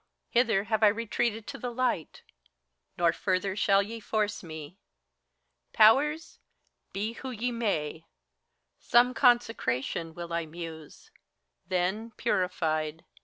hither have I retreated to the light ; Nor further shall ye force me. Powers, be who ye may ! Some consecration will I muse : then, purified.